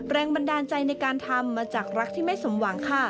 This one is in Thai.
แรงบันดาลใจในการทำมาจากรักที่ไม่สมหวังค่ะ